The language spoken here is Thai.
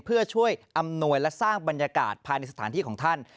เพื่อช่วยอำนวยและสร้างบรรยากาศภายในสถานที่ของท่าน